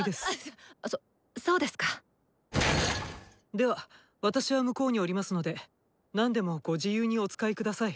では私は向こうにおりますので何でもご自由にお使い下さい。